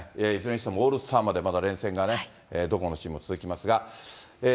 いずれにしてもオールスターまでまだ連戦がどこの州も続きますが。